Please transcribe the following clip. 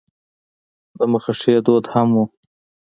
د مخه ښې دود هم و.